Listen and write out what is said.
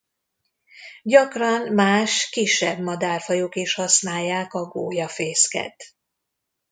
Gyakran más kisebb madárfajok is használják a gólyafészket.